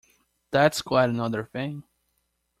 That's quite another thing!